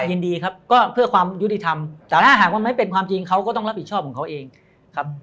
ยินดีครับก็เพื่อความยุติธรรมแต่ถ้าหากว่าไม่เป็นความจริงเขาก็ต้องรับผิดชอบของเขาเองครับ